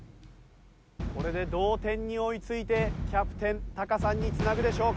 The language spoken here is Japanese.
これで同点に追いついてキャプテンタカさんにつなぐでしょうか？